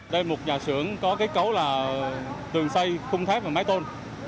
đây là một nhà xưởng có cái cấu là tường xây khung tháp và máy tôn